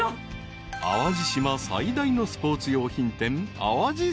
［淡路島最大のスポーツ用品店］